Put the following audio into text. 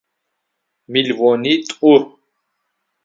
Миллионитӏу.